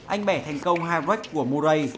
anh bẻ thành công hai break của murray